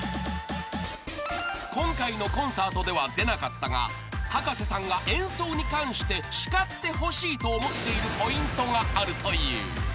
［今回のコンサートでは出なかったが葉加瀬さんが演奏に関して叱ってほしいと思っているポイントがあるという］